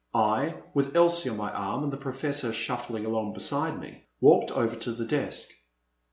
I, with Elsie on my arm and the Professor shuffling along beside me, walked over to the desk.